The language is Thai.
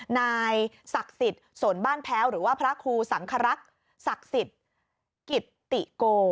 นายศักดิ์สิทธิ์สนบ้านแพ้วหรือว่าพระครูสังครักษ์ศักดิ์สิทธิ์กิตติโก